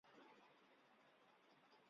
白铅铝矿是一种罕见的碳酸铝矿物。